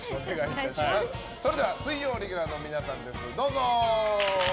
それでは水曜レギュラーの皆さんです。